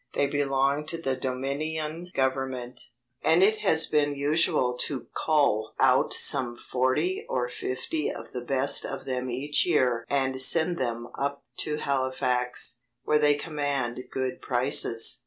They belong to the Dominion Government, and it has been usual to cull out some forty or fifty of the best of them each year and send them up to Halifax, where they command good prices.